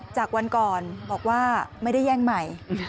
จากวันก่อนบอกว่าไม่ได้แย่งใหม่